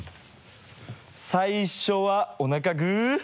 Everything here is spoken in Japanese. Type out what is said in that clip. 最初はおなかグ。